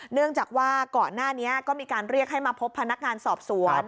เนื่องจากว่าก่อนหน้านี้ก็มีการเรียกให้มาพบพนักงานสอบสวน